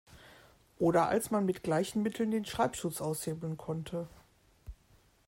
Oder als man mit gleichen Mitteln den Schreibschutz aushebeln konnte.